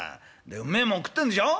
でうめえもん食ってんでしょ？